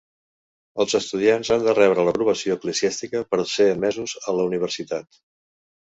Els estudiants han de rebre l'aprovació eclesiàstica per ser admesos a la universitat.